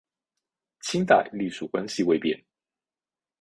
清代隶属关系未变。